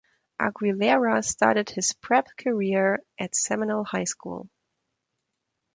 Aguilera started his prep career at Seminole High School.